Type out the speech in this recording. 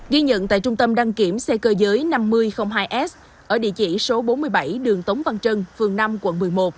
ghi nhận tại trung tâm đăng kiểm xe cơ giới năm nghìn hai s ở địa chỉ số bốn mươi bảy đường tống văn trân phường năm quận một mươi một